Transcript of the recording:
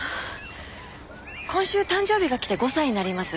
今週誕生日が来て５歳になります。